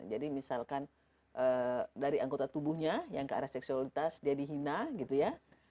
jadi misalkan dari anggota tubuhnya yang ke arah seksualitas dia dihina gitu ya